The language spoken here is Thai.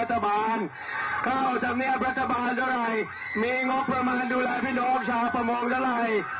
จากเนียบรัฐบาลด้าลัยมีงอกประมาณดูแลพี่น้องชาวประมองด้าลัย